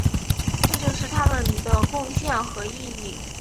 这就是他们的贡献和意义。